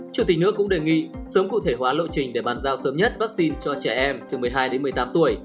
chủ tịch nước cũng đề nghị sớm cụ thể hóa lộ trình để bàn giao sớm nhất vaccine cho trẻ em từ một mươi hai đến một mươi tám tuổi